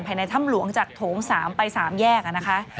ภายในถ้ำหลวงจากโถง๓ไป๓แยก